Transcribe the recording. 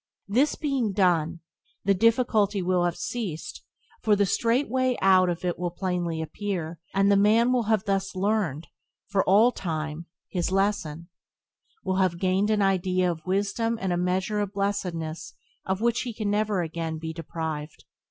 This being done, the difficulty will have ceased, for the straight way out of it will plainly appear, and the man will thus have learned, for all time, his lesson; will have gained an item of wisdom and a measure of blessedness of which he can never again be deprived.